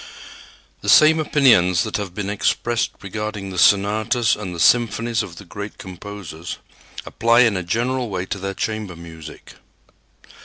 The same opinions that have been expressed regarding the sonatas and the symphonies of the great composers apply in a general way to their chamber music.